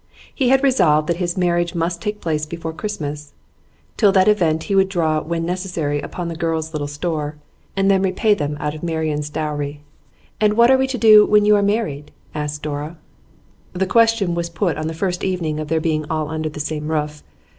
He had resolved that his marriage must take place before Christmas; till that event he would draw when necessary upon the girls' little store, and then repay them out of Marian's dowry. 'And what are we to do when you are married?' asked Dora. The question was put on the first evening of their being all under the same roof.